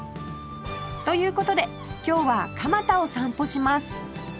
という事で今日は蒲田を散歩します